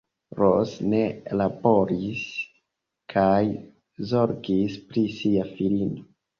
Ros ne laboris kaj zorgis pri sia filino.